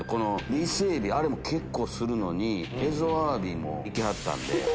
イセエビも結構するのにエゾアワビもいきはったんで。